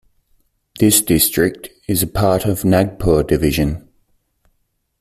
This district is a part of Nagpur Division.